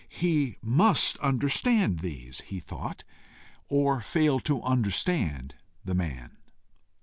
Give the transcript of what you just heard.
He MUST understand these, he thought, or fail to understand the man.